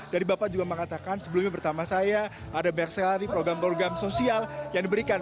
dari bapak juga mengatakan sebelumnya bersama saya ada banyak sekali program program sosial yang diberikan